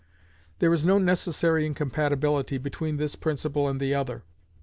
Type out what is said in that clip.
There is no necessary incompatibility between this principle and the other.